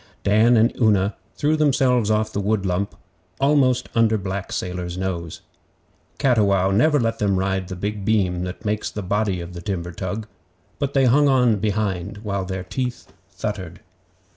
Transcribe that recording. Dan and Una threw themselves off the wood lump almost under black Sailor's nose. Cattiwow never let them ride the big beam that makes the body of the timber tug, but they hung on behind while their teeth thuttered.